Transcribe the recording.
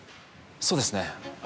そうですね。